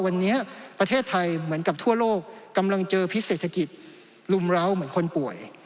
วันนี้ประเทศไทยเหมือนกับทั่วโลกกำลังเจอพิษเศรษฐกิจรุมร้าวเหมือนคนป่วย